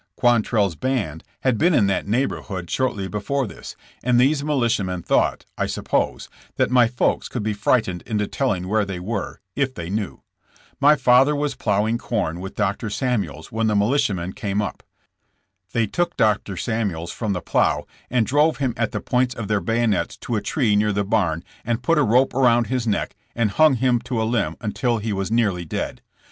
Quantrell's band had been in that neighborhood THS BORDER WARS. 29 shortly before this, and these militiamen thought, I suppose, that my folks could be frightened into telling where they were, if they knew. My father was plough ing corn with Dr. Samuels when the militiamen came up. They took Dr. Samuels from the plough and drove him at the points of their bayonets to a tree near the barn and put a rope around his neck and hung him to a limb until he was nearly dead.